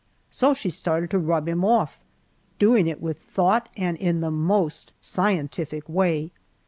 So she started to rub him off doing it with thought and in the most scientific way.